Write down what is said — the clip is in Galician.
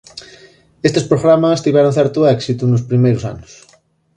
Estes programas tiveron certo éxito nos primeiros anos.